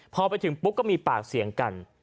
พอไปถึงปุ๊บก็มีปากเสียงกัน